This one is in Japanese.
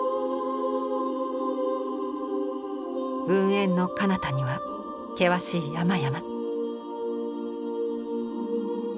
雲煙のかなたには険しい山々。